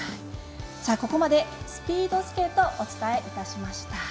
ここまでスピードスケートお伝えしました。